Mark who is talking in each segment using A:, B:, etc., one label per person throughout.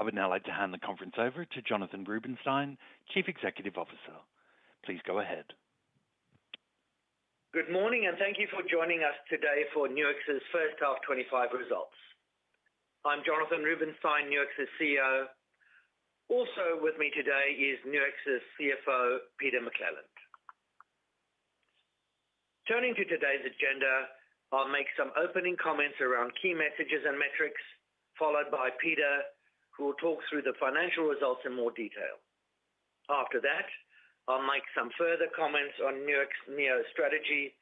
A: I would now like to hand the conference over to Jonathan Rubinsztein, Chief Executive Officer. Please go ahead.
B: Good morning, and thank you for joining us today for Nuix's first half 2025 results. I'm Jonathan Rubinsztein, Nuix's CEO. Also with me today is Nuix's CFO, Peter McClelland. Turning to today's agenda, I'll make some opening comments around key messages and metrics, followed by Peter, who will talk through the financial results in more detail. After that, I'll make some further comments on Nuix's new strategy,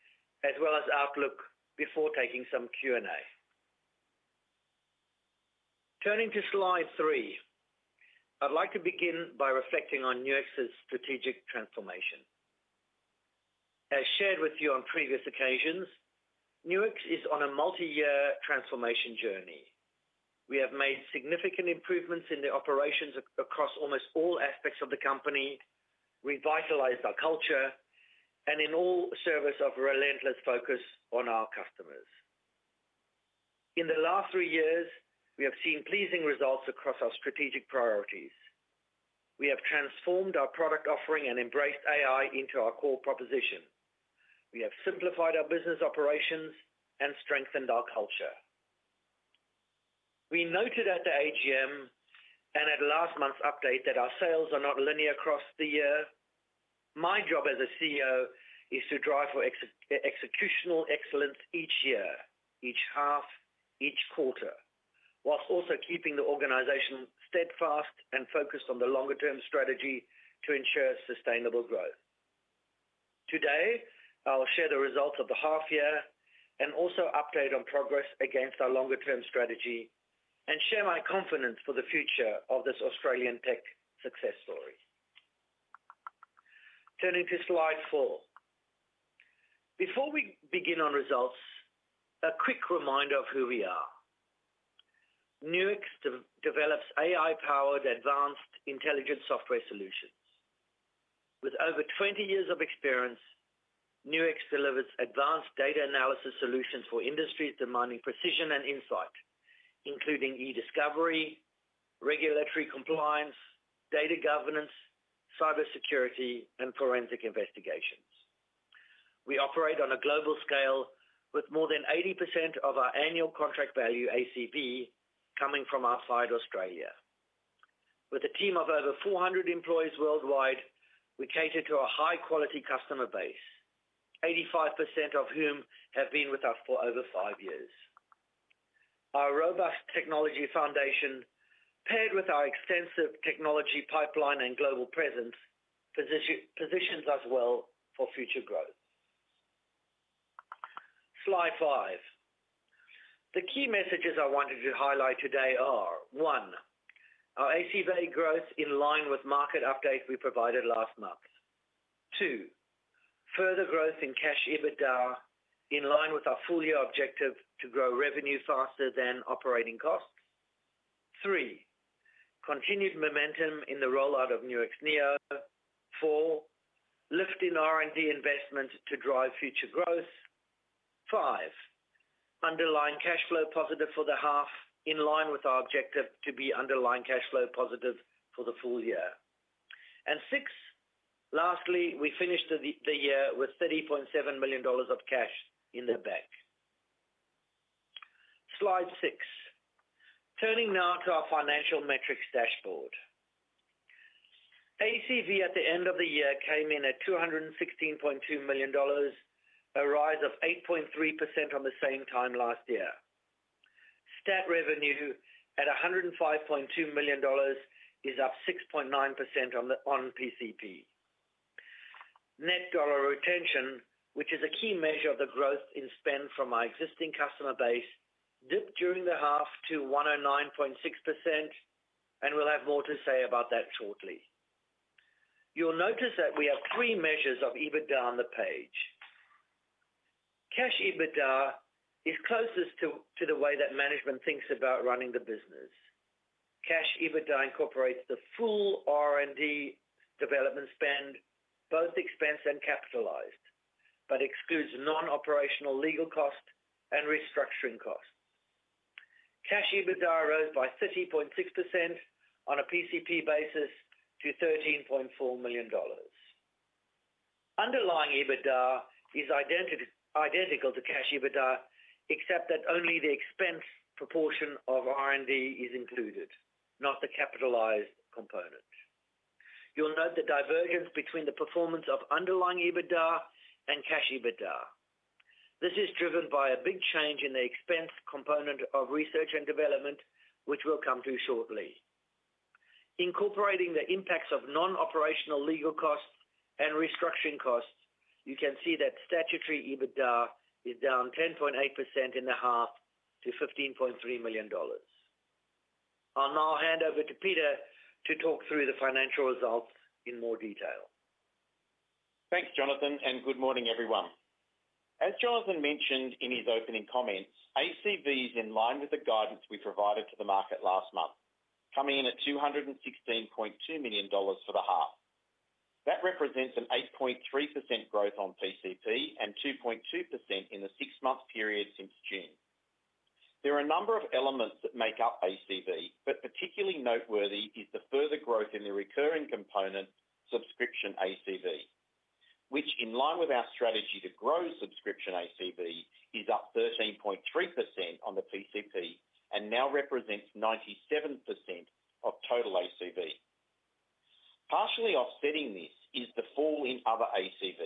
B: as well as outlook, before taking some Q&A. Turning to Slide 3, I'd like to begin by reflecting on Nuix's strategic transformation. As shared with you on previous occasions, Nuix is on a multi-year transformation journey. We have made significant improvements in the operations across almost all aspects of the company, revitalized our culture, and in all service of relentless focus on our customers. In the last three years, we have seen pleasing results across our strategic priorities. We have transformed our product offering and embraced AI into our core proposition. We have simplified our business operations and strengthened our culture. We noted at the AGM and at last month's update that our sales are not linear across the year. My job as a CEO is to drive for executional excellence each year, each half, each quarter, whilst also keeping the organization steadfast and focused on the longer-term strategy to ensure sustainable growth. Today, I'll share the results of the half-year and also update on progress against our longer-term strategy and share my confidence for the future of this Australian tech success story. Turning to Slide 4. Before we begin on results, a quick reminder of who we are. Nuix develops AI-powered advanced intelligent software solutions. With over 20 years of experience, Nuix delivers advanced data analysis solutions for industries demanding precision and insight, including e-discovery, regulatory compliance, data governance, cybersecurity, and forensic investigations. We operate on a global scale, with more than 80% of our annual contract value ACV coming from outside Australia. With a team of over 400 employees worldwide, we cater to a high-quality customer base, 85% of whom have been with us for over five years. Our robust technology foundation, paired with our extensive technology pipeline and global presence, positions us well for future growth. Slide 5. The key messages I wanted to highlight today are: one, our ACV growth in line with market updates we provided last month, two, further growth in cash EBITDA in line with our full-year objective to grow revenue faster than operating costs, three, continued momentum in the rollout of Nuix Neo, four, lifting R&D investment to drive future growth, five, underlying cash flow positive for the half in line with our objective to be underlying cash flow positive for the full year, and six, lastly, we finished the year with 30.7 million dollars of cash in the bank. Slide 6. Turning now to our financial metrics dashboard. ACV at the end of the year came in at 216.2 million dollars, a rise of 8.3% on the same time last year. Statutory revenue at 105.2 million dollars is up 6.9% on PCP. Net dollar retention, which is a key measure of the growth in spend from our existing customer base, dipped during the half to 109.6%, and we'll have more to say about that shortly. You'll notice that we have three measures of EBITDA on the page. Cash EBITDA is closest to the way that management thinks about running the business. Cash EBITDA incorporates the full R&D development spend, both expense and capitalized, but excludes non-operational legal costs and restructuring costs. Cash EBITDA rose by 30.6% on a PCP basis to 13.4 million dollars. Underlying EBITDA is identical to cash EBITDA, except that only the expense proportion of R&D is included, not the capitalized component. You'll note the divergence between the performance of underlying EBITDA and cash EBITDA. This is driven by a big change in the expense component of research and development, which we'll come to shortly. Incorporating the impacts of non-operational legal costs and restructuring costs, you can see that Statutory EBITDA is down 10.8% in the half to 15.3 million dollars. I'll now hand over to Peter to talk through the financial results in more detail.
C: Thanks, Jonathan, and good morning, everyone. As Jonathan mentioned in his opening comments, ACV is in line with the guidance we provided to the market last month, coming in at 216.2 million dollars for the half. That represents an 8.3% growth on PCP and 2.2% in the six-month period since June. There are a number of elements that make up ACV, but particularly noteworthy is the further growth in the recurring component, subscription ACV, which, in line with our strategy to grow subscription ACV, is up 13.3% on the PCP and now represents 97% of total ACV. Partially offsetting this is the fall in other ACV.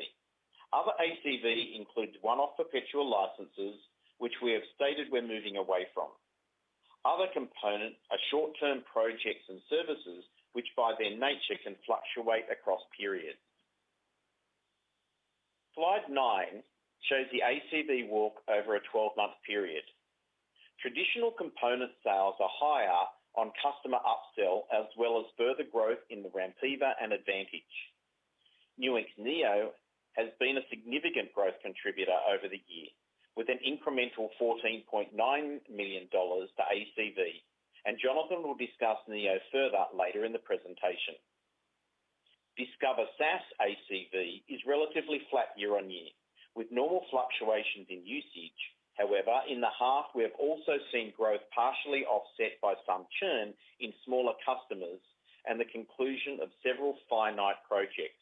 C: Other ACV includes one-off perpetual licenses, which we have stated we're moving away from. Other components are short-term projects and services, which by their nature can fluctuate across periods. Slide 9 shows the ACV walk over a 12-month period. Traditional component sales are higher on customer upsell as well as further growth in the Rampiva and Advantage. Nuix Neo has been a significant growth contributor over the year, with an incremental 14.9 million dollars to ACV, and Jonathan will discuss Neo further later in the presentation. Discover SaaS ACV is relatively flat year on year, with normal fluctuations in usage. However, in the half, we have also seen growth partially offset by some churn in smaller customers and the conclusion of several finite projects.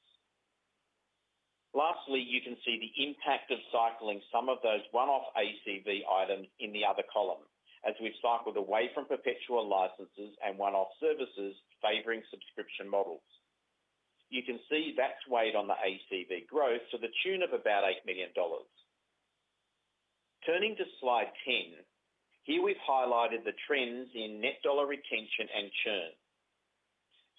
C: Lastly, you can see the impact of cycling some of those one-off ACV items in the other column, as we've cycled away from perpetual licenses and one-off services favoring subscription models. You can see that's weighed on the ACV growth to the tune of about 8 million dollars. Turning to Slide 10, here we've highlighted the trends in net dollar retention and churn.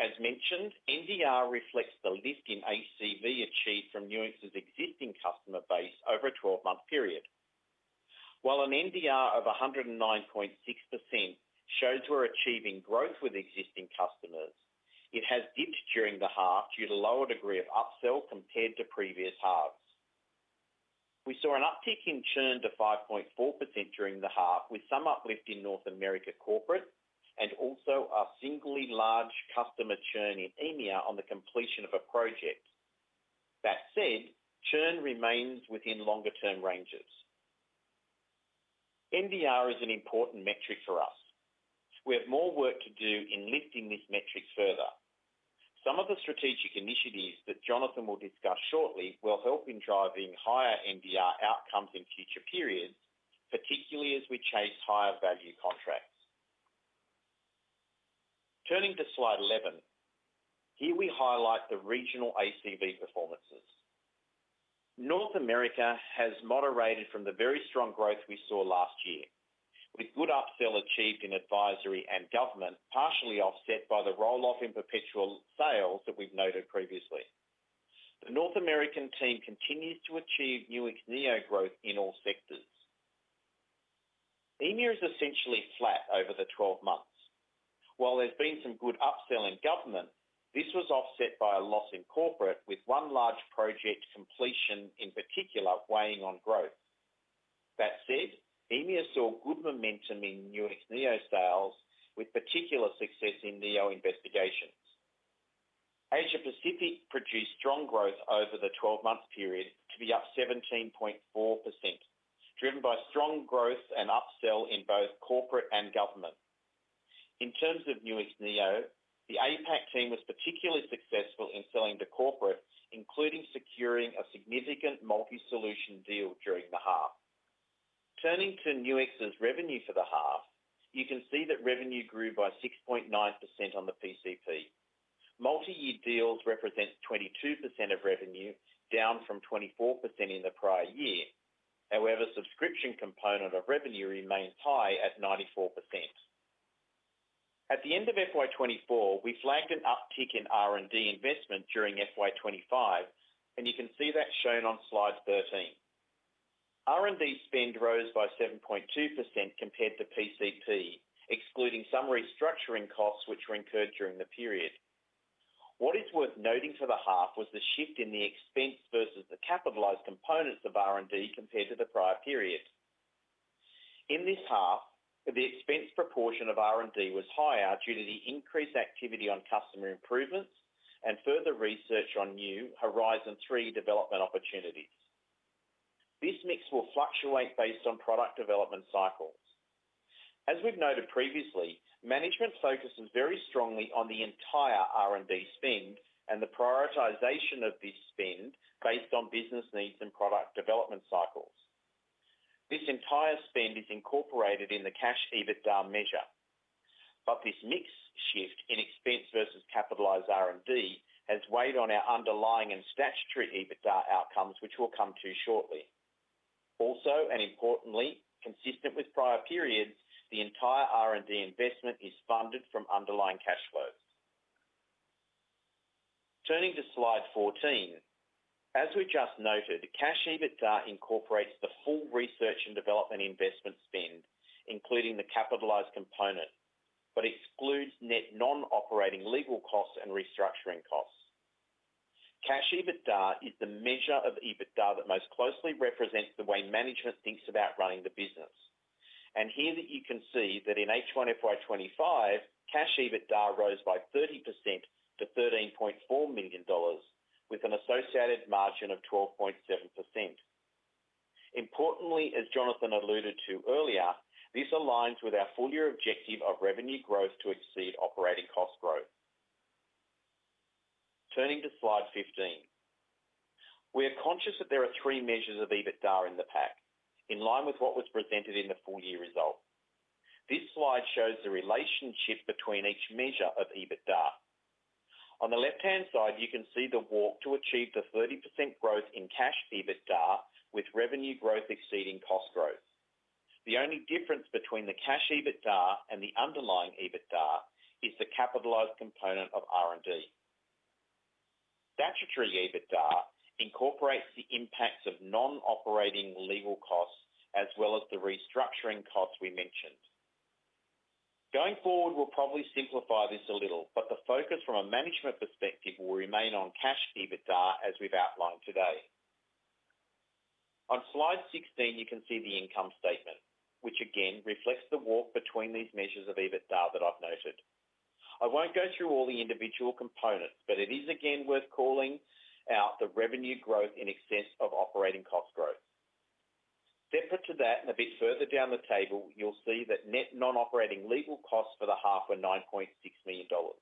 C: As mentioned, NDR reflects the lift in ACV achieved from Nuix's existing customer base over a 12-month period. While an NDR of 109.6% shows we're achieving growth with existing customers, it has dipped during the half due to a lower degree of upsell compared to previous halves. We saw an uptick in churn to 5.4% during the half, with some uplift in North America Corporate and also a single large customer churn in EMEA on the completion of a project. That said, churn remains within longer-term ranges. NDR is an important metric for us. We have more work to do in lifting this metric further. Some of the strategic initiatives that Jonathan will discuss shortly will help in driving higher NDR outcomes in future periods, particularly as we chase higher-value contracts. Turning to Slide 11, here we highlight the regional ACV performances. North America has moderated from the very strong growth we saw last year, with good upsell achieved in Advisory and Government, partially offset by the roll-off in perpetual sales that we've noted previously. The North American team continues to achieve Nuix Neo growth in all sectors. EMEA is essentially flat over the 12 months. While there's been some good upsell in Government, this was offset by a loss in corporate, with one large project completion in particular weighing on growth. That said, EMEA saw good momentum in Nuix Neo sales, with particular success in Neo Investigations. Asia-Pacific produced strong growth over the 12-month period to be up 17.4%, driven by strong growth and upsell in both Corporate and Government. In terms of Nuix Neo, the APAC team was particularly successful in selling to corporate, including securing a significant multi-solution deal during the half. Turning to Nuix's revenue for the half, you can see that revenue grew by 6.9% on the PCP. Multi-year deals represent 22% of revenue, down from 24% in the prior year. However, the subscription component of revenue remains high at 94%. At the end of FY 2024, we flagged an uptick in R&D investment during FY 2025, and you can see that shown on Slide 13. R&D spend rose by 7.2% compared to PCP, excluding some restructuring costs which were incurred during the period. What is worth noting for the half was the shift in the expense versus the capitalized components of R&D compared to the prior period. In this half, the expense proportion of R&D was higher due to the increased activity on customer improvements and further research on new Horizon 3 development opportunities. This mix will fluctuate based on product development cycles. As we've noted previously, management focuses very strongly on the entire R&D spend and the prioritization of this spend based on business needs and product development cycles. This entire spend is incorporated in the cash EBITDA measure, but this mix shift in expense versus capitalized R&D has weighed on our underlying and statutory EBITDA outcomes, which we'll come to shortly. Also, and importantly, consistent with prior periods, the entire R&D investment is funded from underlying cash flows. Turning to Slide 14, as we just noted, cash EBITDA incorporates the full research and development investment spend, including the capitalized component, but excludes net non-operating legal costs and restructuring costs. Cash EBITDA is the measure of EBITDA that most closely represents the way management thinks about running the business. Here you can see that in H1 FY 2025, cash EBITDA rose by 30% to 13.4 million dollars, with an associated margin of 12.7%. Importantly, as Jonathan alluded to earlier, this aligns with our full-year objective of revenue growth to exceed operating cost growth. Turning to Slide 15, we are conscious that there are three measures of EBITDA in the pack, in line with what was presented in the full-year result. This slide shows the relationship between each measure of EBITDA. On the left-hand side, you can see the walk to achieve the 30% growth in cash EBITDA with revenue growth exceeding cost growth. The only difference between the cash EBITDA and the underlying EBITDA is the capitalized component of R&D. Statutory EBITDA incorporates the impacts of non-operating legal costs as well as the restructuring costs we mentioned. Going forward, we'll probably simplify this a little, but the focus from a management perspective will remain on cash EBITDA as we've outlined today. On Slide 16, you can see the income statement, which again reflects the walk between these measures of EBITDA that I've noted. I won't go through all the individual components, but it is again worth calling out the revenue growth in excess of operating cost growth. Separate to that, and a bit further down the table, you'll see that net non-operating legal costs for the half were 9.6 million dollars.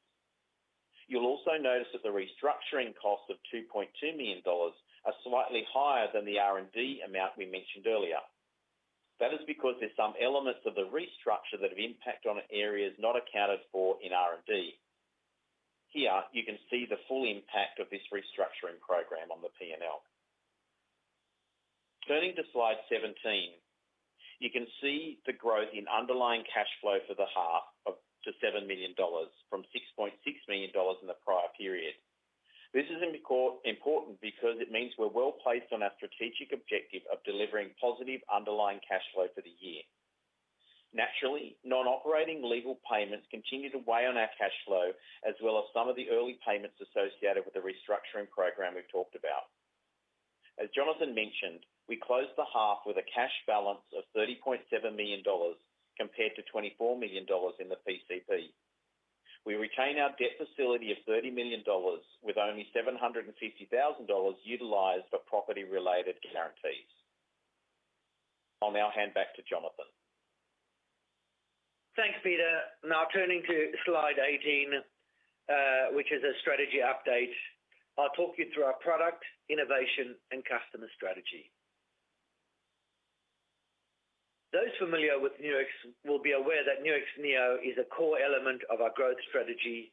C: You'll also notice that the restructuring costs of 2.2 million dollars are slightly higher than the R&D amount we mentioned earlier. That is because there are some elements of the restructure that have impact on areas not accounted for in R&D. Here, you can see the full impact of this restructuring program on the P&L. Turning to Slide 17, you can see the growth in underlying cash flow for the half to 7 million dollars from 6.6 million dollars in the prior period. This is important because it means we're well placed on our strategic objective of delivering positive underlying cash flow for the year. Naturally, non-operating legal payments continue to weigh on our cash flow as well as some of the early payments associated with the restructuring program we've talked about. As Jonathan mentioned, we closed the half with a cash balance of 30.7 million dollars compared to 24 million dollars in the PCP. We retain our debt facility of 30 million dollars with only 750,000 dollars utilized for property-related guarantees. I'll now hand back to Jonathan.
B: Thanks, Peter. Now turning to Slide 18, which is a strategy update, I'll talk you through our product, innovation, and customer strategy. Those familiar with Nuix will be aware that Nuix Neo is a core element of our growth strategy,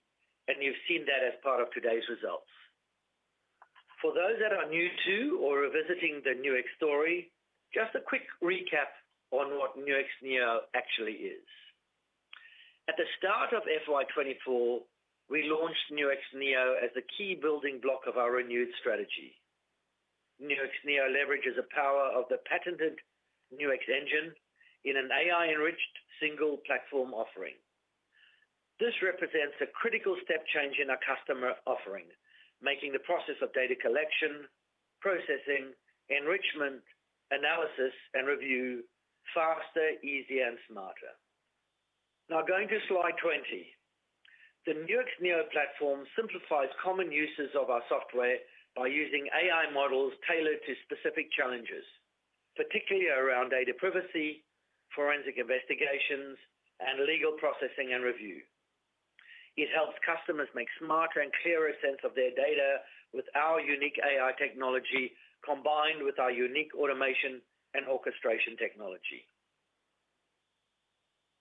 B: and you've seen that as part of today's results. For those that are new to or are visiting the Nuix story, just a quick recap on what Nuix Neo actually is. At the start of FY 2024, we launched Nuix Neo as the key building block of our renewed strategy. Nuix Neo leverages the power of the patented Nuix Engine in an AI-enriched single-platform offering. This represents a critical step change in our customer offering, making the process of data collection, processing, enrichment, analysis, and review faster, easier, and smarter. Now going to Slide 20, the Nuix Neo platform simplifies common uses of our software by using AI models tailored to specific challenges, particularly around data privacy, forensic investigations, and legal processing and review. It helps customers make smarter and clearer sense of their data with our unique AI technology combined with our unique automation and orchestration technology.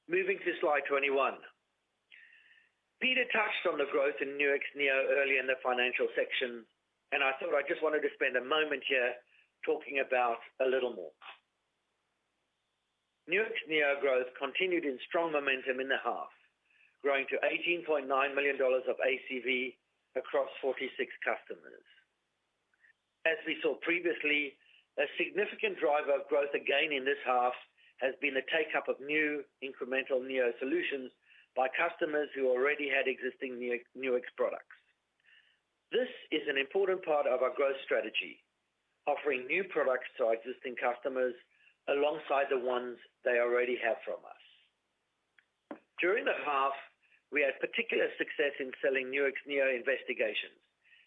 B: Moving to Slide 21, Peter touched on the growth in Nuix Neo earlier in the financial section, and I thought I just wanted to spend a moment here talking about a little more. Nuix Neo growth continued in strong momentum in the half, growing to 18.9 million dollars of ACV across 46 customers. As we saw previously, a significant driver of growth again in this half has been the take-up of new incremental Neo solutions by customers who already had existing Nuix products. This is an important part of our growth strategy, offering new products to our existing customers alongside the ones they already have from us. During the half, we had particular success in selling Nuix Neo Investigations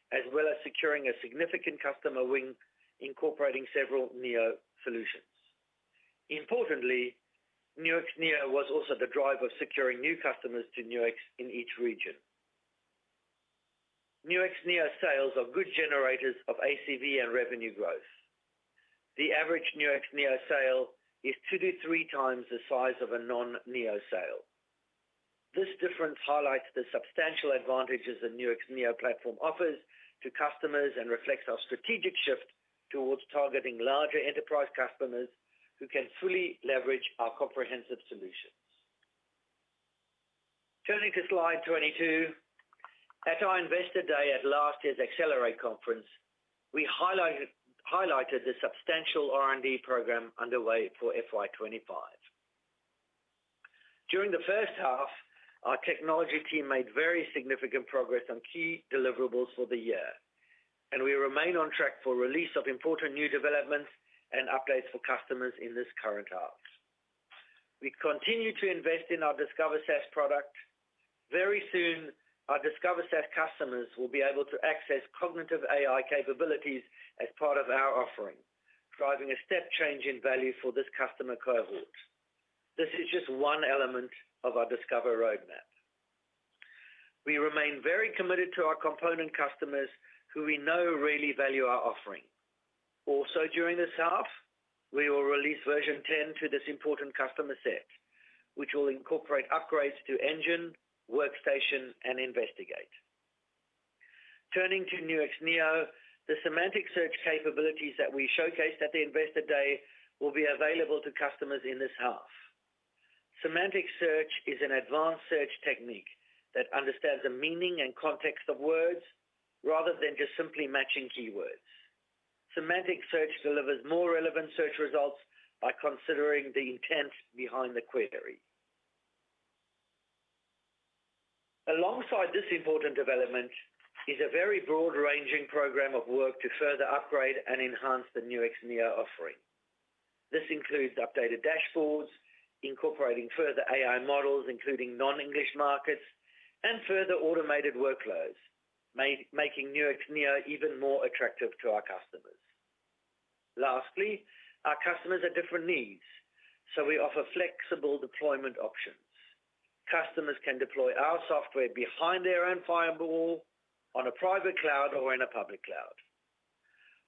B: as well as securing a significant customer win incorporating several Neo solutions. Importantly, Nuix Neo was also the driver of securing new customers to Nuix in each region. Nuix Neo sales are good generators of ACV and revenue growth. The average Nuix Neo sale is two to three times the size of a non-Neo sale. This difference highlights the substantial advantages the Nuix Neo platform offers to customers and reflects our strategic shift towards targeting larger enterprise customers who can fully leverage our comprehensive solutions. Turning to Slide 22, at our Investor Day at last year's Accelerate conference, we highlighted the substantial R&D program underway for FY 2025. During the first half, our technology team made very significant progress on key deliverables for the year, and we remain on track for release of important new developments and updates for customers in this current half. We continue to invest in our Discover SaaS product. Very soon, our Discover SaaS customers will be able to access cognitive AI capabilities as part of our offering, driving a step change in value for this customer cohort. This is just one element of our Discover roadmap. We remain very committed to our component customers who we know really value our offering. Also, during this half, we will release version 10 to this important customer set, which will incorporate upgrades to Engine, Workstation, and Investigate. Turning to Nuix Neo, the semantic search capabilities that we showcased at the Investor Day will be available to customers in this half. Semantic search is an advanced search technique that understands the meaning and context of words rather than just simply matching keywords. Semantic search delivers more relevant search results by considering the intent behind the query. Alongside this important development is a very broad-ranging program of work to further upgrade and enhance the Nuix Neo offering. This includes updated dashboards, incorporating further AI models, including non-English markets, and further automated workflows, making Nuix Neo even more attractive to our customers. Lastly, our customers have different needs, so we offer flexible deployment options. Customers can deploy our software behind their own firewall, on a private cloud, or in a public cloud.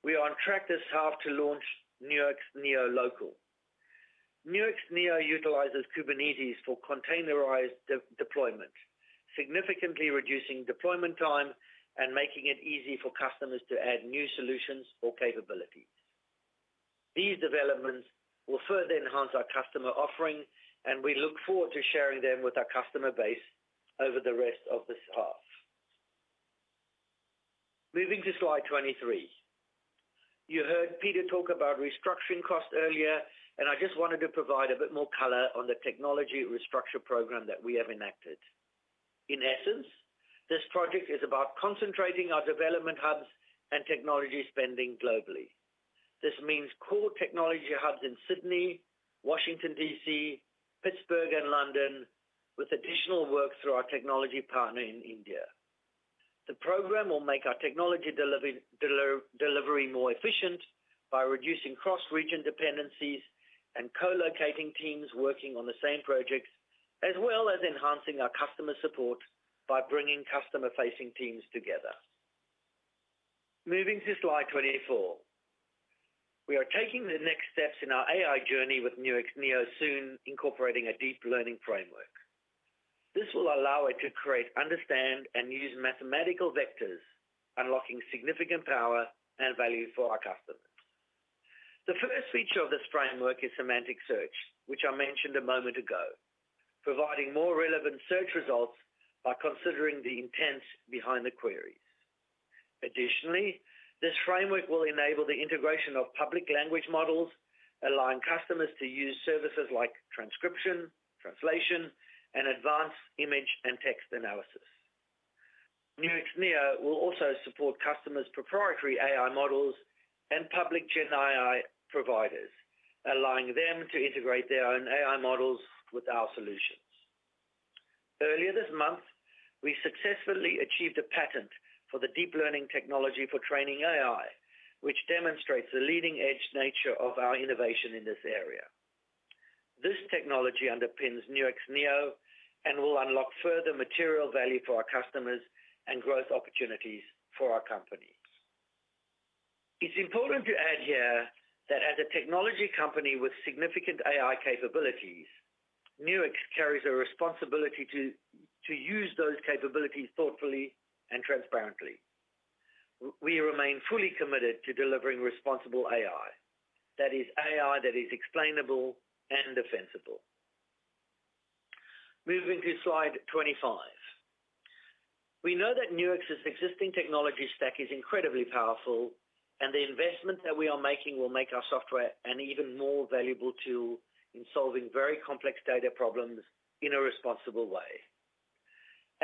B: We are on track this half to launch Nuix Neo Local. Nuix Neo utilizes Kubernetes for containerized deployment, significantly reducing deployment time and making it easy for customers to add new solutions or capabilities. These developments will further enhance our customer offering, and we look forward to sharing them with our customer base over the rest of this half. Moving to Slide 23, you heard Peter talk about restructuring costs earlier, and I just wanted to provide a bit more color on the technology restructure program that we have enacted. In essence, this project is about concentrating our development hubs and technology spending globally. This means core technology hubs in Sydney, Washington, D.C., Pittsburgh, and London, with additional work through our technology partner in India. The program will make our technology delivery more efficient by reducing cross-region dependencies and co-locating teams working on the same projects, as well as enhancing our customer support by bringing customer-facing teams together. Moving to Slide 24, we are taking the next steps in our AI journey with Nuix Neo, soon incorporating a deep learning framework. This will allow it to create, understand, and use mathematical vectors, unlocking significant power and value for our customers. The first feature of this framework is semantic search, which I mentioned a moment ago, providing more relevant search results by considering the intent behind the queries. Additionally, this framework will enable the integration of public language models, allowing customers to use services like transcription, translation, and advanced image and text analysis. Nuix Neo will also support customers' proprietary AI models and public GenAI providers, allowing them to integrate their own AI models with our solutions. Earlier this month, we successfully achieved a patent for the deep learning technology for training AI, which demonstrates the leading-edge nature of our innovation in this area. This technology underpins Nuix Neo and will unlock further material value for our customers and growth opportunities for our company. It's important to add here that as a technology company with significant AI capabilities, Nuix carries a responsibility to use those capabilities thoughtfully and transparently. We remain fully committed to delivering responsible AI, that is, AI that is explainable and defensible. Moving to Slide 25, we know that Nuix's existing technology stack is incredibly powerful, and the investment that we are making will make our software an even more valuable tool in solving very complex data problems in a responsible way.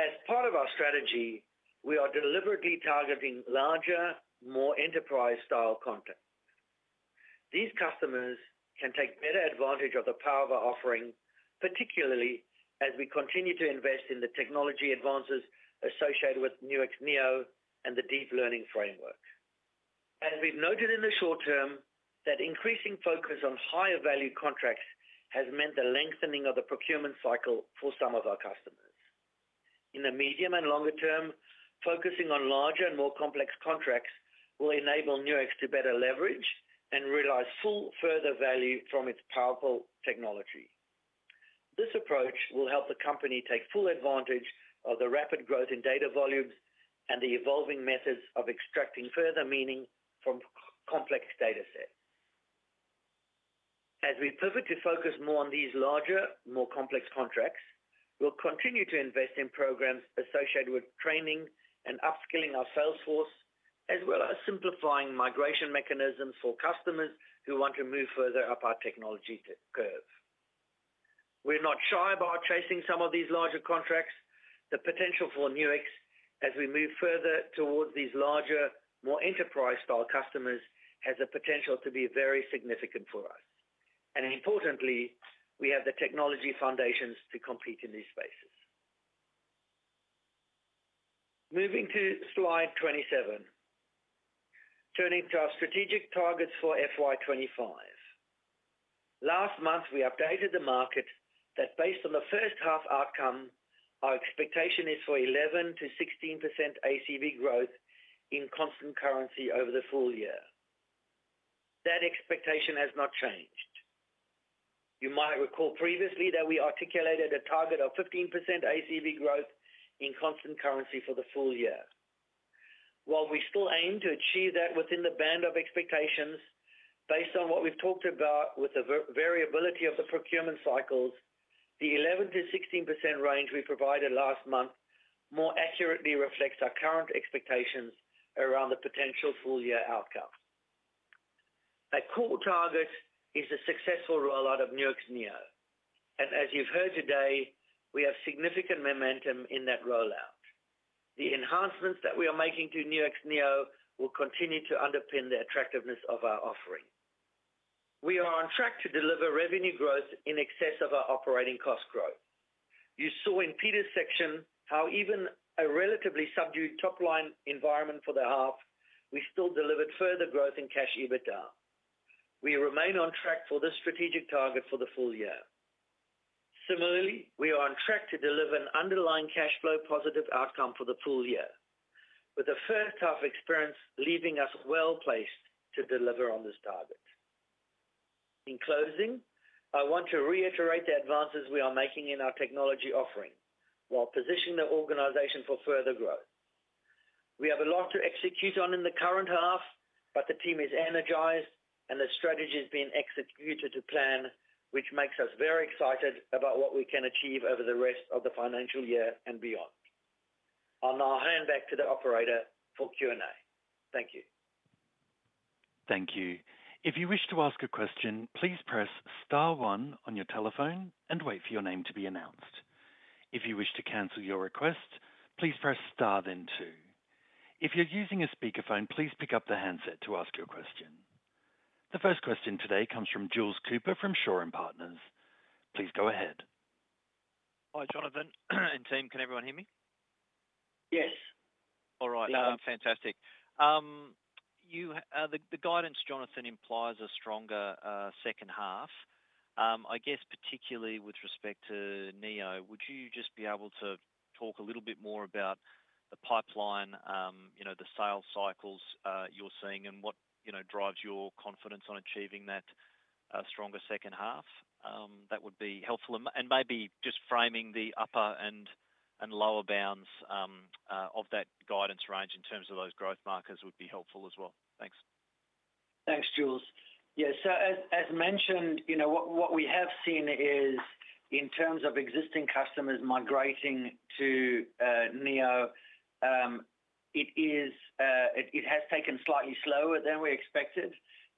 B: As part of our strategy, we are deliberately targeting larger, more enterprise-style content. These customers can take better advantage of the power of our offering, particularly as we continue to invest in the technology advances associated with Nuix Neo and the deep learning framework. As we've noted in the short term, that increasing focus on higher-value contracts has meant the lengthening of the procurement cycle for some of our customers. In the medium and longer term, focusing on larger and more complex contracts will enable Nuix to better leverage and realize full further value from its powerful technology. This approach will help the company take full advantage of the rapid growth in data volumes and the evolving methods of extracting further meaning from complex data sets. As we pivot to focus more on these larger, more complex contracts, we'll continue to invest in programs associated with training and upskilling our salesforce, as well as simplifying migration mechanisms for customers who want to move further up our technology curve. We're not shy about chasing some of these larger contracts. The potential for Nuix, as we move further towards these larger, more enterprise-style customers, has the potential to be very significant for us, and importantly, we have the technology foundations to compete in these spaces. Moving to Slide 27, turning to our strategic targets for FY 2025. Last month, we updated the market that based on the first half outcome, our expectation is for 11%-16% ACV growth in constant currency over the full year. That expectation has not changed. You might recall previously that we articulated a target of 15% ACV growth in constant currency for the full year. While we still aim to achieve that within the band of expectations, based on what we've talked about with the variability of the procurement cycles, the 11%-16% range we provided last month more accurately reflects our current expectations around the potential full-year outcome. A core target is the successful rollout of Nuix Neo. As you've heard today, we have significant momentum in that rollout. The enhancements that we are making to Nuix Neo will continue to underpin the attractiveness of our offering. We are on track to deliver revenue growth in excess of our operating cost growth. You saw in Peter's section how even a relatively subdued top-line environment for the half. We still delivered further growth in Cash EBITDA. We remain on track for this strategic target for the full year. Similarly, we are on track to deliver an underlying cash flow positive outcome for the full year, with the first half experience leaving us well placed to deliver on this target. In closing, I want to reiterate the advances we are making in our technology offering while positioning the organization for further growth. We have a lot to execute on in the current half, but the team is energized and the strategy is being executed to plan, which makes us very excited about what we can achieve over the rest of the financial year and beyond. I'll now hand back to the operator for Q&A. Thank you.
A: Thank you. If you wish to ask a question, please press star one on your telephone and wait for your name to be announced. If you wish to cancel your request, please press star then two. If you're using a speakerphone, please pick up the handset to ask your question. The first question today comes from Jules Cooper from Shaw and Partners. Please go ahead.
D: Hi, Jonathan and team. Can everyone hear me?
B: Yes.
D: All right. Fantastic. The guidance, Jonathan, implies a stronger second half. I guess, particularly with respect to Neo, would you just be able to talk a little bit more about the pipeline, the sales cycles you're seeing, and what drives your confidence on achieving that stronger second half? That would be helpful. And maybe just framing the upper and lower bounds of that guidance range in terms of those growth markers would be helpful as well. Thanks.
B: Thanks, Jules. Yeah. So as mentioned, what we have seen is in terms of existing customers migrating to Neo, it has taken slightly slower than we expected.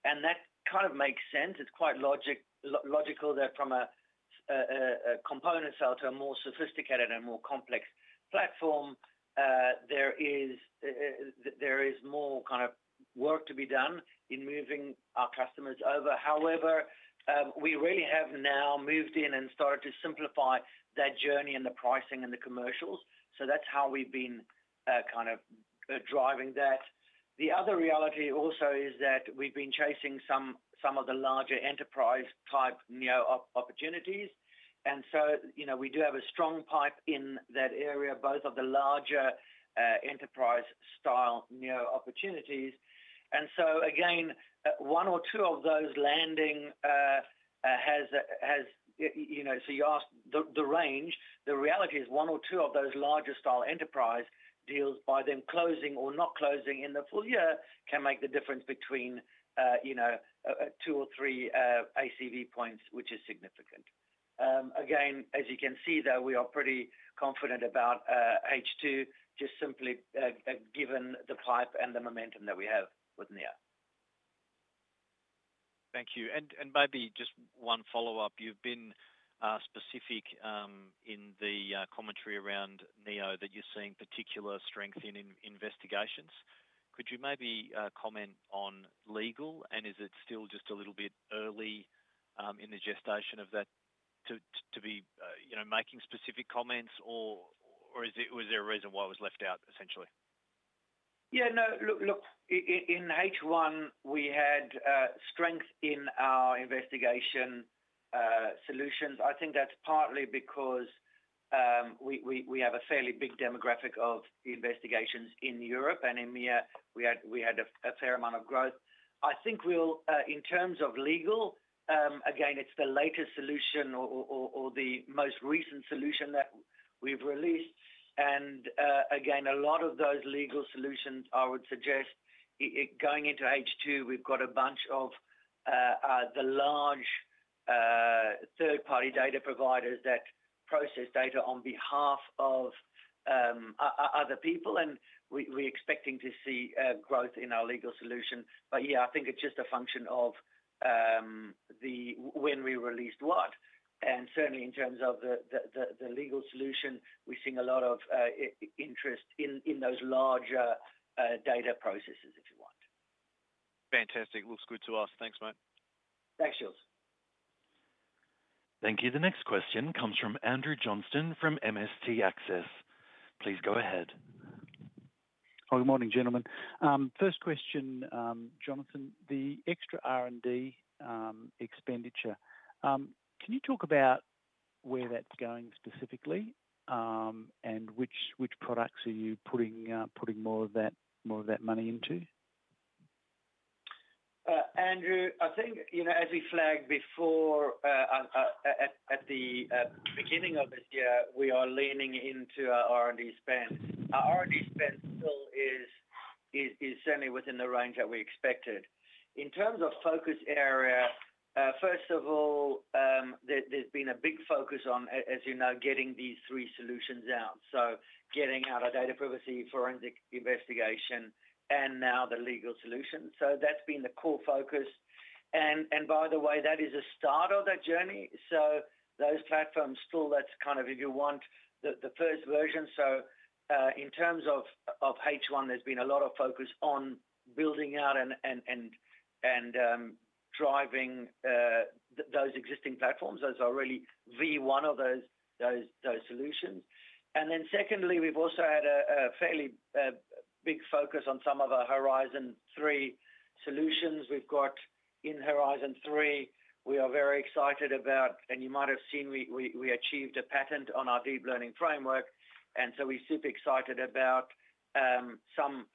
B: And that kind of makes sense. It's quite logical that from a component sale to a more sophisticated and more complex platform, there is more kind of work to be done in moving our customers over. However, we really have now moved in and started to simplify that journey and the pricing and the commercials. So that's how we've been kind of driving that. The other reality also is that we've been chasing some of the larger enterprise-type Neo opportunities. And so we do have a strong pipe in that area, both of the larger enterprise-style Neo opportunities. And so again, one or two of those landing has so you asked the range. The reality is one or two of those larger-style enterprise deals, by them closing or not closing in the full year, can make the difference between two or three ACV points, which is significant. Again, as you can see, though, we are pretty confident about H2, just simply given the pipe and the momentum that we have with Neo.
D: Thank you and maybe just one follow-up. You've been specific in the commentary around Neo that you're seeing particular strength in investigations. Could you maybe comment on legal and is it still just a little bit early in the gestation of that to be making specific comments, or was there a reason why it was left out, essentially?
B: Yeah. No, look, in H1, we had strength in our investigation solutions. I think that's partly because we have a fairly big demographic of investigations in Europe. And in EMEA, we had a fair amount of growth. I think in terms of legal, again, it's the latest solution or the most recent solution that we've released. And again, a lot of those legal solutions, I would suggest, going into H2, we've got a bunch of the large third-party data providers that process data on behalf of other people. And we're expecting to see growth in our legal solution. But yeah, I think it's just a function of when we released what. And certainly, in terms of the legal solution, we're seeing a lot of interest in those larger data processes, if you want.
D: Fantastic. Looks good to us. Thanks, mate.
B: Thanks, Jules.
A: Thank you. The next question comes from Andrew Johnston from MST Access. Please go ahead.
E: Hi, good morning, gentlemen. First question, Jonathan, the extra R&D expenditure, can you talk about where that's going specifically and which products are you putting more of that money into?
B: Andrew, I think as we flagged before, at the beginning of this year, we are leaning into our R&D spend. Our R&D spend still is certainly within the range that we expected. In terms of focus area, first of all, there's been a big focus on, as you know, getting these three solutions out. So getting out our data privacy, forensic investigation, and now the legal solution. So that's been the core focus. And by the way, that is a start of that journey. So those platforms still, that's kind of, if you want, the first version. So in terms of H1, there's been a lot of focus on building out and driving those existing platforms. Those are really V1 of those solutions. And then secondly, we've also had a fairly big focus on some of our Horizon 3 solutions. We've got, in Horizon 3, we are very excited about, and you might have seen, we achieved a patent on our deep learning framework. And so we're super excited about some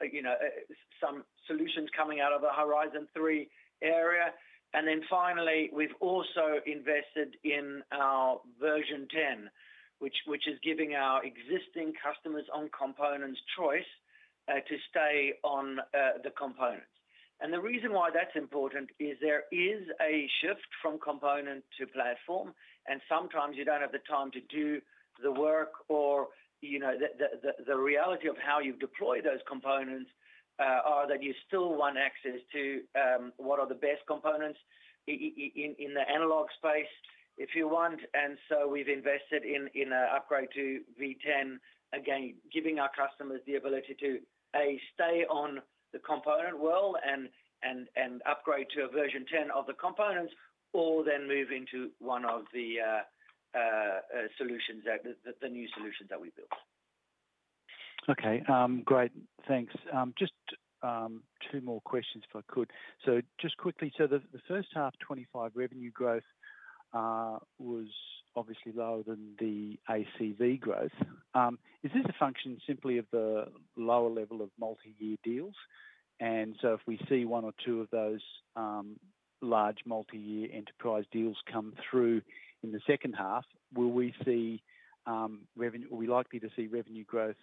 B: solutions coming out of the Horizon 3 area. And then finally, we've also invested in our version 10, which is giving our existing customers on components choice to stay on the components. And the reason why that's important is there is a shift from component to platform. And sometimes you don't have the time to do the work, or the reality of how you've deployed those components are that you still want access to what are the best components in the analog space, if you want. And so we've invested in an upgrade to V10, again, giving our customers the ability to A, stay on the component world and upgrade to a version 10 of the components, or then move into one of the solutions, the new solutions that we built.
E: Okay. Great. Thanks. Just two more questions if I could. So just quickly, so the first half 25% revenue growth was obviously lower than the ACV growth. Is this a function simply of the lower level of multi-year deals? And so if we see one or two of those large multi-year enterprise deals come through in the second half, will we see revenue? Are we likely to see revenue growth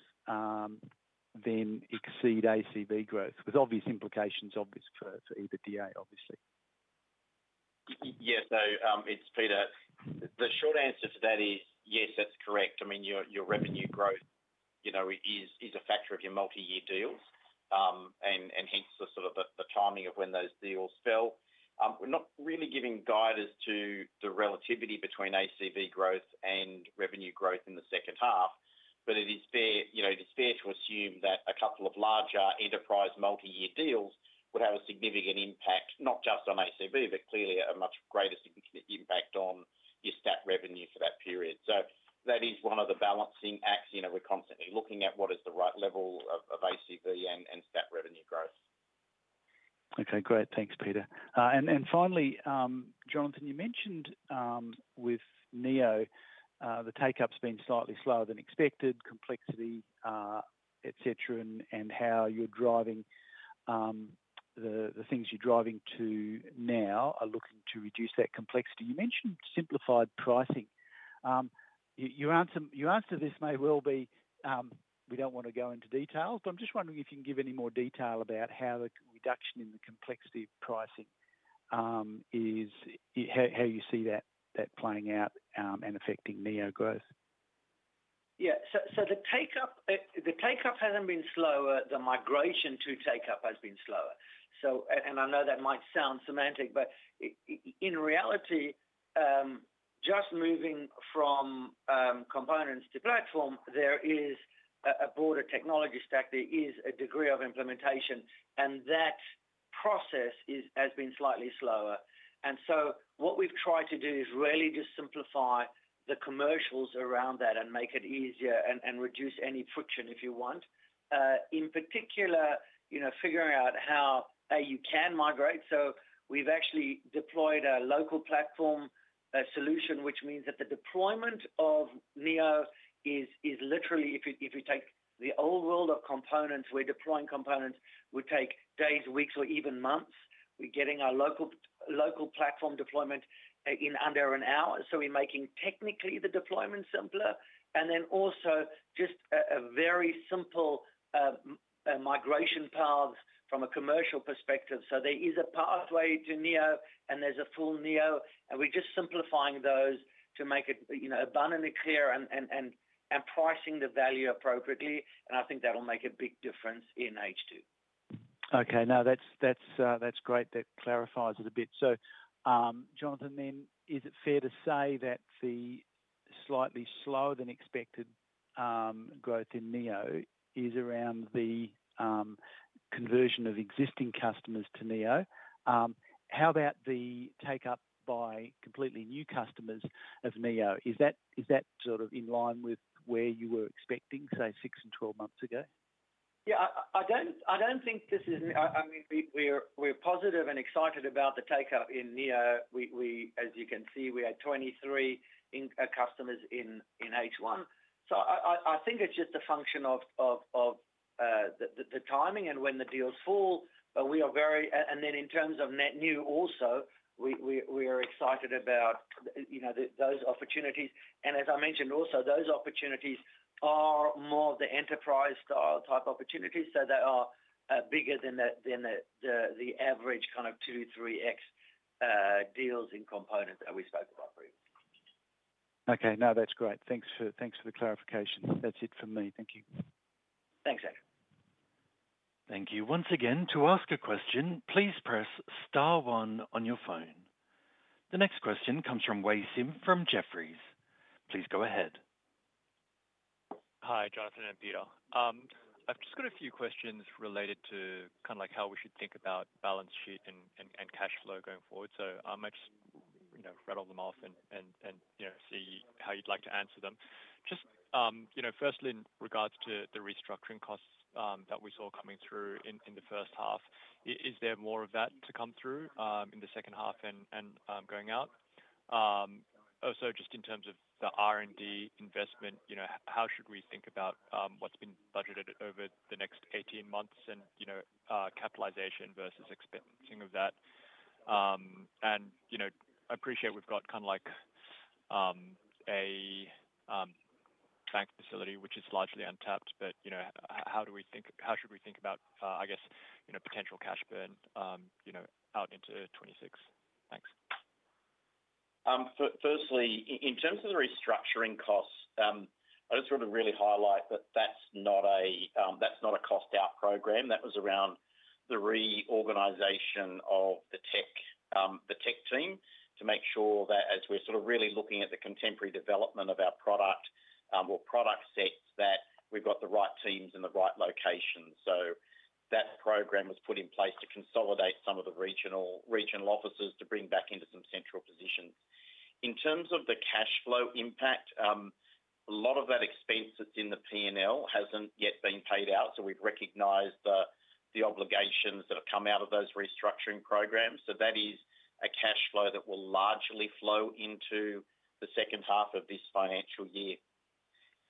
E: then exceed ACV growth with obvious implications for either DA, obviously?
C: Yes. It's Peter. The short answer to that is yes, that's correct. I mean, your revenue growth is a factor of your multi-year deals. Hence the sort of the timing of when those deals fell. We're not really giving guidance to the relativity between ACV growth and revenue growth in the second half. But it is fair to assume that a couple of larger enterprise multi-year deals would have a significant impact, not just on ACV, but clearly a much greater significant impact on your statutory revenue for that period. That is one of the balancing acts. We're constantly looking at what is the right level of ACV and statutory revenue growth.
E: Okay. Great. Thanks, Peter. And finally, Jonathan, you mentioned with Neo, the take-up's been slightly slower than expected, complexity, etc., and how you're driving the things you're driving to now are looking to reduce that complexity. You mentioned simplified pricing. Your answer to this may well be we don't want to go into details, but I'm just wondering if you can give any more detail about how the reduction in the complexity of pricing is, how you see that playing out and affecting Neo growth.
B: Yeah. So the take-up hasn't been slower. The migration to take-up has been slower. And I know that might sound semantic, but in reality, just moving from components to platform, there is a broader technology stack. There is a degree of implementation. And that process has been slightly slower. And so what we've tried to do is really just simplify the commercials around that and make it easier and reduce any friction, if you want. In particular, figuring out how you can migrate. So we've actually deployed a local platform solution, which means that the deployment of Neo is literally, if you take the old world of components, we're deploying components, would take days, weeks, or even months. We're getting our local platform deployment in under an hour. So we're making technically the deployment simpler. And then also just a very simple migration path from a commercial perspective. So there is a pathway to Neo, and there's a full Neo. And we're just simplifying those to make it abundantly clear and pricing the value appropriately. And I think that'll make a big difference in H2.
E: Okay. No, that's great. That clarifies it a bit. So Jonathan, then is it fair to say that the slightly slower than expected growth in Neo is around the conversion of existing customers to Neo? How about the take-up by completely new customers of Neo? Is that sort of in line with where you were expecting, say, 6 and 12 months ago?
B: Yeah. I don't think this is. I mean, we're positive and excited about the take-up in Neo. As you can see, we had 23 customers in H1. So I think it's just a function of the timing and when the deals fall. And then in terms of net new also, we are excited about those opportunities. And as I mentioned also, those opportunities are more of the enterprise-style type opportunities. So they are bigger than the average kind of 2x, 3x deals in components that we spoke about previously.
E: Okay. No, that's great. Thanks for the clarification. That's it from me. Thank you.
B: Thanks, Andrew.
A: Thank you. Once again, to ask a question, please press star one on your phone. The next question comes from Wei Sim from Jefferies. Please go ahead.
F: Hi, Jonathan and Peter. I've just got a few questions related to kind of how we should think about balance sheet and cash flow going forward. So I might just rattle them off and see how you'd like to answer them. Just firstly, in regards to the restructuring costs that we saw coming through in the first half, is there more of that to come through in the second half and going forward? Also, just in terms of the R&D investment, how should we think about what's been budgeted over the next 18 months and capitalization versus expensing of that? And I appreciate we've got kind of a bank facility, which is largely untapped, but how should we think about, I guess, potential cash burn outlook into 2026? Thanks.
C: Firstly, in terms of the restructuring costs, I just want to really highlight that that's not a cost-out program. That was around the reorganization of the tech team to make sure that as we're sort of really looking at the contemporary development of our product or product set, that we've got the right teams in the right locations. So that program was put in place to consolidate some of the regional offices to bring back into some central positions. In terms of the cash flow impact, a lot of that expense that's in the P&L hasn't yet been paid out. So we've recognized the obligations that have come out of those restructuring programs. So that is a cash flow that will largely flow into the second half of this financial year.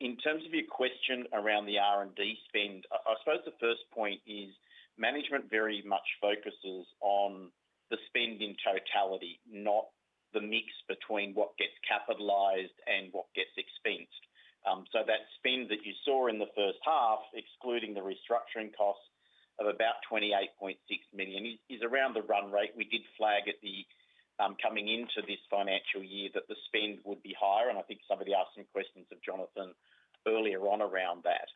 C: In terms of your question around the R&D spend, I suppose the first point is management very much focuses on the spend in totality, not the mix between what gets capitalized and what gets expensed. So that spend that you saw in the first half, excluding the restructuring costs of about 28.6 million, is around the run rate. We did flag at the coming into this financial year that the spend would be higher. And I think somebody asked some questions of Jonathan earlier on around that.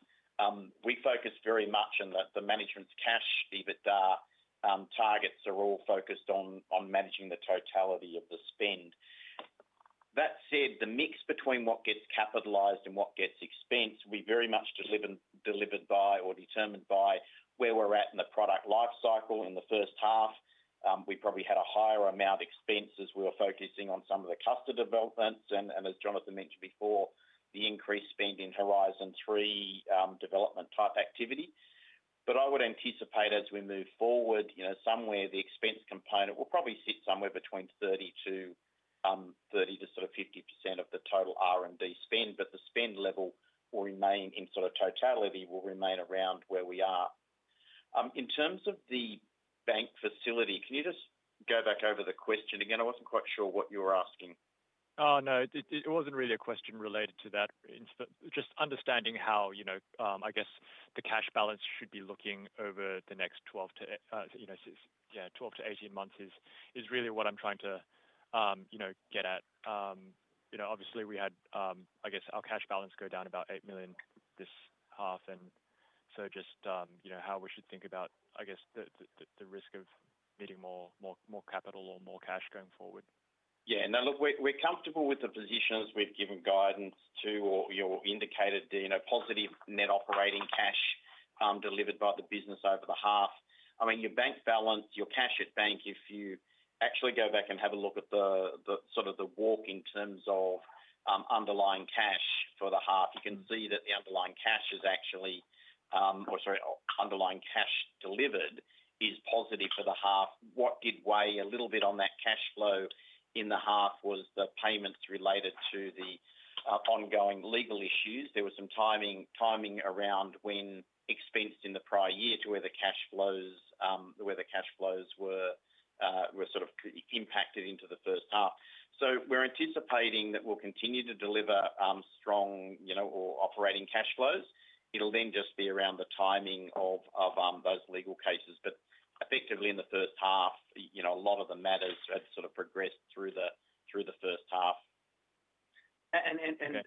C: We focus very much on the management's Cash EBITDA targets are all focused on managing the totality of the spend. That said, the mix between what gets capitalized and what gets expensed, we very much driven by or determined by where we're at in the product lifecycle in the first half. We probably had a higher amount of expenses. We were focusing on some of the customer developments. And as Jonathan mentioned before, the increased spend in Horizon 3 development type activity. But I would anticipate as we move forward, somewhere the expense component will probably sit somewhere between 30% to sort of 50% of the total R&D spend. But the spend level will remain in sort of totality will remain around where we are. In terms of the bank facility, can you just go back over the question again? I wasn't quite sure what you were asking.
F: Oh, no. It wasn't really a question related to that. Just understanding how, I guess, the cash balance should be looking over the next 12 to 18 months is really what I'm trying to get at. Obviously, we had, I guess, our cash balance go down about 8 million this half. And so just how we should think about, I guess, the risk of needing more capital or more cash going forward.
C: Yeah. No, look, we're comfortable with the positions we've given guidance to or your indicated positive net operating cash delivered by the business over the half. I mean, your bank balance, your cash at bank, if you actually go back and have a look at sort of the walk in terms of underlying cash for the half, you can see that the underlying cash is actually or sorry, underlying cash delivered is positive for the half. What did weigh a little bit on that cash flow in the half was the payments related to the ongoing legal issues. There was some timing around when expensed in the prior year to where the cash flows were sort of impacted into the first half. So we're anticipating that we'll continue to deliver strong or operating cash flows. It'll then just be around the timing of those legal cases. But effectively, in the first half, a lot of the matters had sort of progressed through the first half.
B: Again,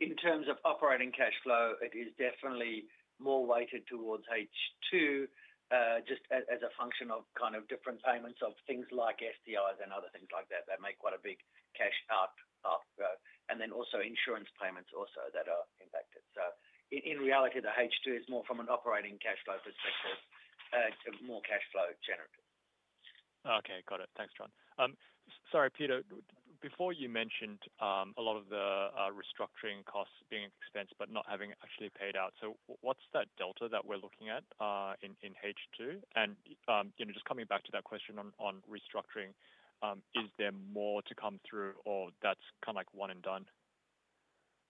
B: in terms of operating cash flow, it is definitely more weighted towards H2 just as a function of kind of different payments of things like STIs and other things like that that make quite a big cash out. Then also insurance payments also that are impacted. In reality, the H2 is more from an operating cash flow perspective, more cash flow generative.
F: Okay. Got it. Thanks, John. Sorry, Peter, before you mentioned a lot of the restructuring costs being expensed but not having actually paid out. So what's that delta that we're looking at in H2? And just coming back to that question on restructuring, is there more to come through or that's kind of like one and done?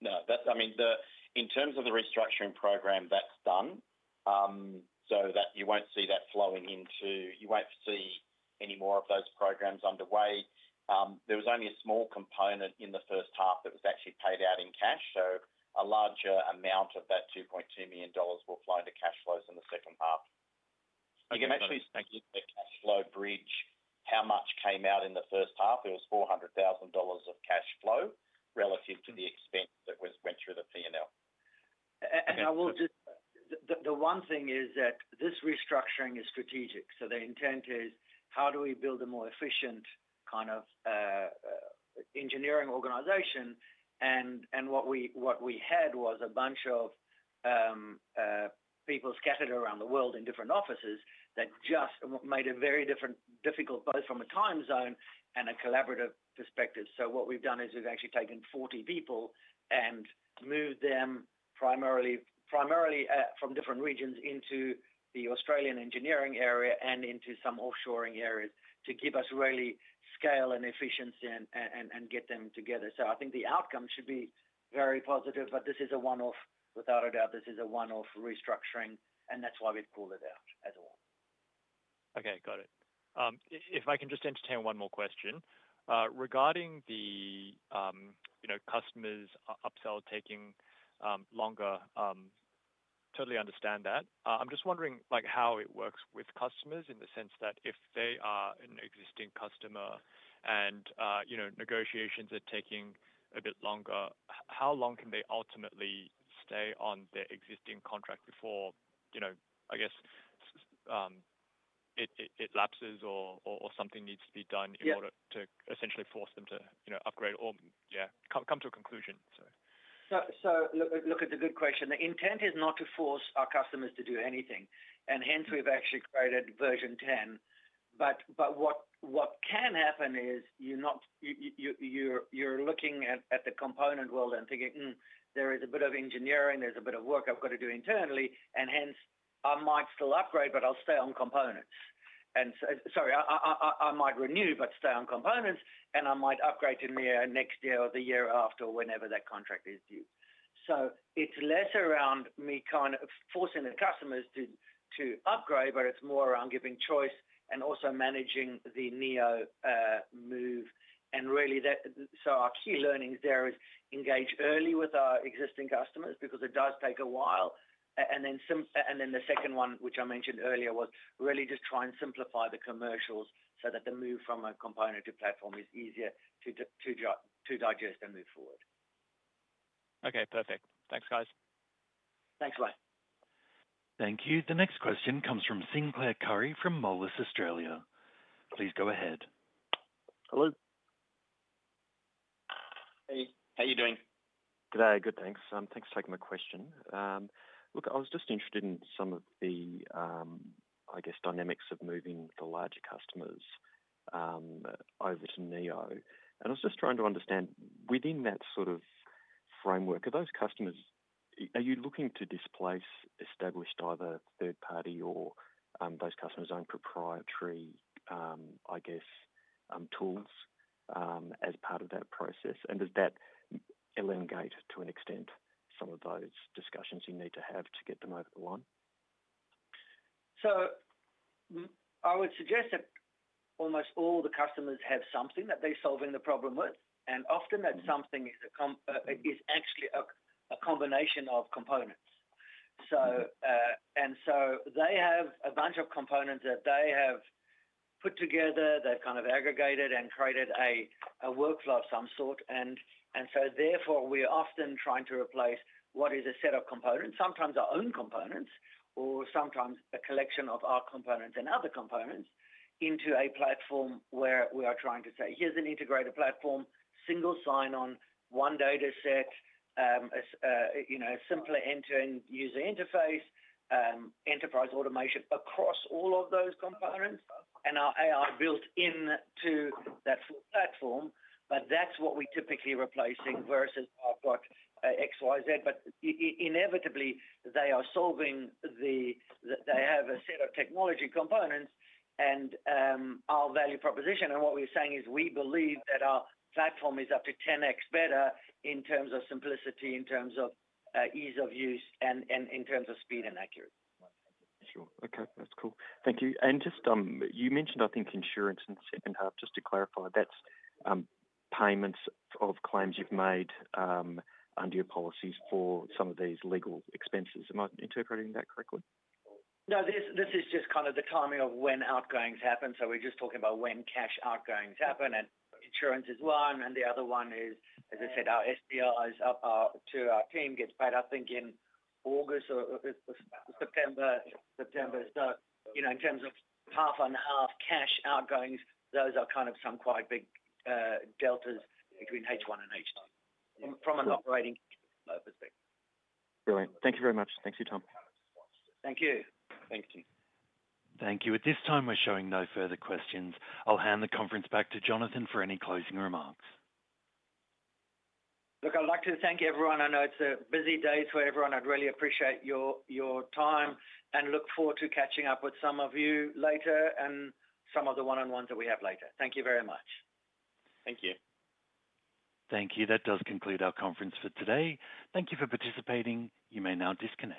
C: No. I mean, in terms of the restructuring program, that's done. So you won't see that flowing into. You won't see any more of those programs underway. There was only a small component in the first half that was actually paid out in cash. So a larger amount of that 2.2 million dollars will flow into cash flows in the second half. You can actually see the cash flow bridge, how much came out in the first half. It was 400,000 dollars of cash flow relative to the expense that went through the P&L.
B: I will just say the one thing is that this restructuring is strategic. The intent is, how do we build a more efficient kind of engineering organization? What we had was a bunch of people scattered around the world in different offices that just made it very difficult both from a time zone and a collaborative perspective. What we've done is we've actually taken 40 people and moved them primarily from different regions into the Australian engineering area and into some offshoring areas to give us really scale and efficiency and get them together. I think the outcome should be very positive. This is a one-off, without a doubt. This is a one-off restructuring. That's why we'd pull it out as a one.
F: Okay. Got it. If I can just entertain one more question. Regarding the customers' upsell taking longer, totally understand that. I'm just wondering how it works with customers in the sense that if they are an existing customer and negotiations are taking a bit longer, how long can they ultimately stay on their existing contract before, I guess, it lapses or something needs to be done in order to essentially force them to upgrade or, yeah, come to a conclusion, so?
B: So, look at the good question. The intent is not to force our customers to do anything. And hence, we've actually created version 10. But what can happen is you're looking at the component world and thinking, "There is a bit of engineering. There's a bit of work I've got to do internally." And hence, I might still upgrade, but I'll stay on components. And sorry, I might renew, but stay on components. And I might upgrade to Nuix Neo or the year after whenever that contract is due. So it's less around me kind of forcing the customers to upgrade, but it's more around giving choice and also managing the Neo move. And really, so our key learnings there is engage early with our existing customers because it does take a while. And then the second one, which I mentioned earlier, was really just try and simplify the commercials so that the move from a component to platform is easier to digest and move forward.
F: Okay. Perfect. Thanks, guys.
B: Thanks, bye.
A: Thank you. The next question comes from Sinclair Currie from Moelis Australia. Please go ahead.
G: Hello.
C: Hey. How are you doing?
G: Good. Good, thanks. Thanks for taking my question. Look, I was just interested in some of the, I guess, dynamics of moving the larger customers over to Neo. And I was just trying to understand within that sort of framework, are those customers are you looking to displace established either third-party or those customers' own proprietary, I guess, tools as part of that process? And does that elongate to an extent some of those discussions you need to have to get them over the line?
B: I would suggest that almost all the customers have something that they're solving the problem with. Often, that something is actually a combination of components. They have a bunch of components that they have put together. They've kind of aggregated and created a workflow of some sort. Therefore, we are often trying to replace what is a set of components, sometimes our own components, or sometimes a collection of our components and other components into a platform where we are trying to say, "Here's an integrated platform, single sign-on, one data set, a simple end-to-end user interface, enterprise automation across all of those components." Our AI built into that full platform. That's what we typically replace versus I've got X, Y, Z. Inevitably, they are solving. They have a set of technology components and our value proposition. What we're saying is we believe that our platform is up to 10x better in terms of simplicity, in terms of ease of use, and in terms of speed and accuracy.
G: Sure. Okay. That's cool. Thank you. And just you mentioned, I think, insurance and just to clarify, that's payments of claims you've made under your policies for some of these legal expenses. Am I interpreting that correctly?
B: No, this is just kind of the timing of when outgoings happen, so we're just talking about when cash outgoings happen, and insurance is one, and the other one is, as I said, our STIs to our team gets paid, I think, in August or September, so in terms of half and half cash outgoings, those are kind of some quite big deltas between H1 and H2 from an operating perspective.
G: Brilliant. Thank you very much. Thanks to you, Tom.
B: Thank you.
C: Thanks, Tim.
A: Thank you. At this time, we're showing no further questions. I'll hand the conference back to Jonathan for any closing remarks.
B: Look, I'd like to thank everyone. I know it's a busy day for everyone. I'd really appreciate your time and look forward to catching up with some of you later and some of the one-on-ones that we have later. Thank you very much.
C: Thank you.
A: Thank you. That does conclude our conference for today. Thank you for participating. You may now disconnect.